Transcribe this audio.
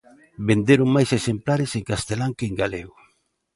Venderon máis exemplares en castelán que en galego.